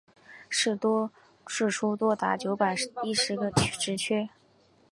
释出多达九百一十个职缺